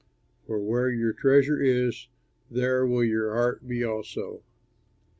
For where your treasure is, there will your heart be also.